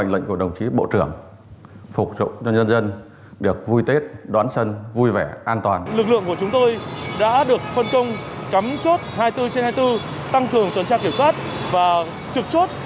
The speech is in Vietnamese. cảnh sát giao thông cấm chốt hai mươi bốn trên hai mươi bốn tăng thường tuần tra kiểm soát và trực chốt